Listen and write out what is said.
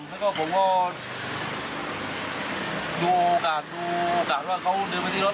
แล้วก็ผมก็ดูโอกาสดูกาดว่าเขาเดินไปที่รถ